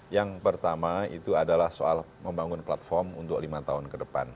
yang pertama itu adalah soal membangun platform untuk lima tahun ke depan